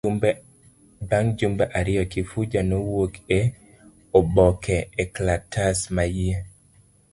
Bang' jumbe ariyo, Kifuja nowuok e oboke, e lkalatas maiye.